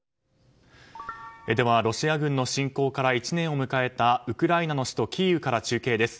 ではロシア軍の侵攻から１年を迎えたウクライナの首都キーウから中継です。